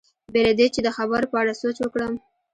بې له دې چې د خبرو په اړه سوچ وکړم.